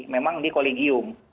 memang di kolegium